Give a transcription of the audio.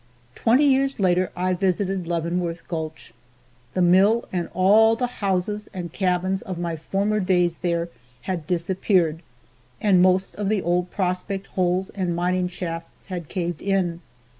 Twenty years later I visited Leavenworth gulch. The mill and all the houses and cabins of my former days there had disappeared, and most of the old prospect holes and mining shafts had caved in.